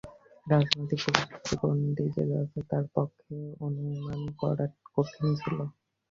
রাজনৈতিক পরিস্থিতি কোন দিকে যাচ্ছে, তাঁর পক্ষে অনুমান করা কঠিন ছিল।